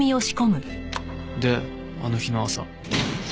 であの日の朝。